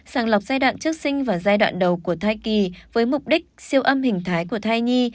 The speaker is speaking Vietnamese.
sàng lọc giai đoạn trước sinh và giai đoạn đầu của thai kỳ với mục đích siêu âm hình thái của thai nhi